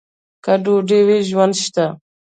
که ډوډۍ وي، ژوند شته.